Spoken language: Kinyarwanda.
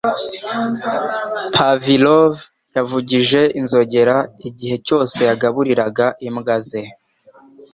Pavlov yavugije inzogera igihe cyose yagaburiraga imbwa ze.